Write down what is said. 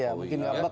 ya mungkin ngambek